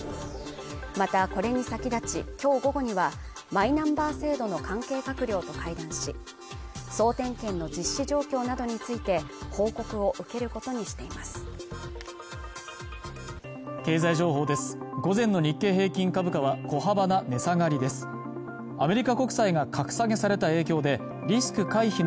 またこれに先立ち今日午後にはマイナンバー制度の関係閣僚と会談し総点検の実施状況などについて報告を受けることにしていますこころの底からのどが渇いた「カルピスウォーター」頑張れー！